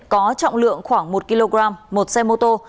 có trọng lượng khoảng một kg một xe mô tô